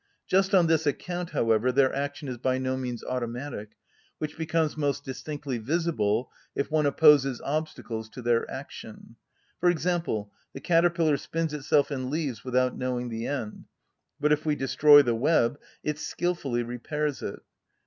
Just on this account, however, their action is by no means automatic, which becomes most distinctly visible if one opposes obstacles to their action. For example, the caterpillar spins itself in leaves without knowing the end; but if we destroy the web it skilfully repairs it.